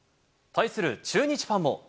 対する中日ファンも。